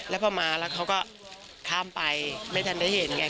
แล้วพอมาแล้วเขาก็ข้ามไปไม่ทันได้เห็นไง